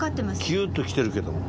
キューッときてるけども。